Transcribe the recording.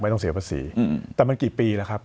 ต้องเสียภาษีแต่มันกี่ปีแล้วครับ